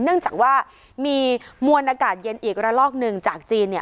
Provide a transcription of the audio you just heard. เนื่องจากว่ามีมวลอากาศเย็นอีกระลอกหนึ่งจากจีนเนี่ย